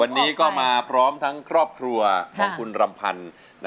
วันนี้ก็มาพร้อมทั้งครอบครัวของคุณรำพันธ์